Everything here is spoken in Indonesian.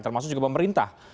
termasuk juga pemerintah